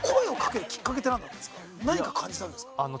何か感じたんですか？